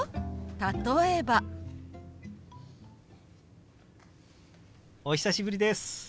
例えば。お久しぶりです。